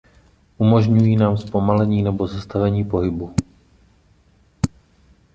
Umožňují nám zpomalení nebo zastavení pohybu.